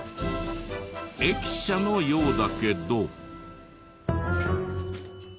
駅舎のようだけど。